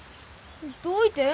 どういて？